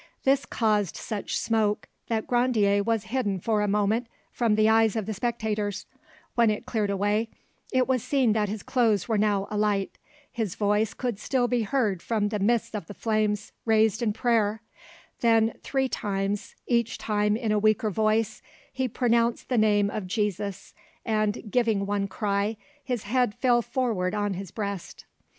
This caused such smoke that Grandier was hidden for a moment from the eyes of the spectators; when it cleared away, it was seen that his clothes were now alight; his voice could still be heard from the midst of the flames raised in prayer; then three times, each time in a weaker voice, he pronounced the name of Jesus, and giving one cry, his head fell forward on his breast.